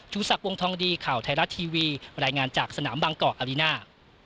สักวงทองดีข่าวไทยรัฐทีวีรายงานจากสนามบางกอกอารีน่า